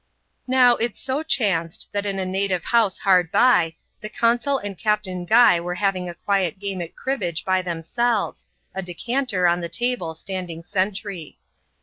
Now, it so chanced, that in a native house hard by, the cottiil and Captain Guy were haying a quiet game at cribbage by themselves, a decanter on the table standing sentry.